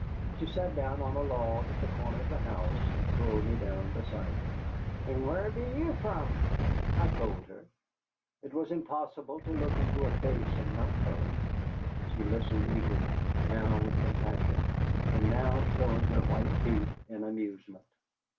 She sat down on a log at the corner of the house, and pulled me down beside her. "And whar be you from?" I told her. It was impossible to look into her face and not tell her. She listened eagerly, now with compassion, and now showing her white teeth in amusement.